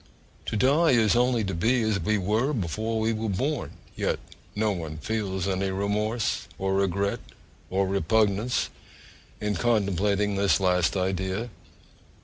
To die is only to be as we were before we were born; yet no one feels any remorse, or regret, or repugnance, in contemplating this last idea.